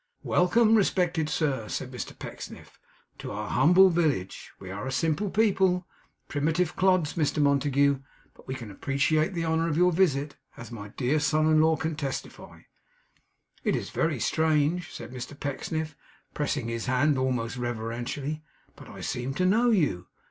'Welcome, respected sir,' said Mr Pecksniff, 'to our humble village! We are a simple people; primitive clods, Mr Montague; but we can appreciate the honour of your visit, as my dear son in law can testify. It is very strange,' said Mr Pecksniff, pressing his hand almost reverentially, 'but I seem to know you.